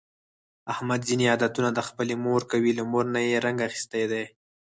احمد ځني عادتونه د خپلې مور کوي، له مور نه یې رنګ اخیستی دی.